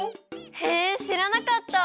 へえしらなかった！